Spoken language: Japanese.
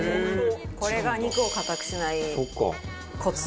これが肉を硬くしないコツ。